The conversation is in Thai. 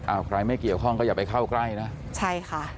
ใครไม่เกี่ยวข้องก็อย่าไปเข้าใกล้นะใช่ค่ะ